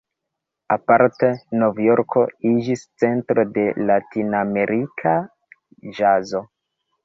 Aparte Novjorko iĝis centro de ”latinamerika ĵazo".